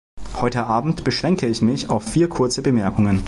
Heute Abend beschränke ich mich auf vier kurze Bemerkungen.